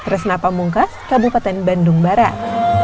resna pamungkas kabupaten bandung barat